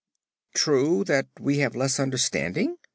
"True that we have less understanding?"